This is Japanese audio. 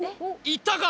いったか？